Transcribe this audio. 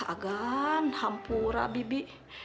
ah agan hampura bibi